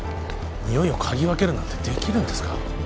においを嗅ぎ分けるなんてできるんですか？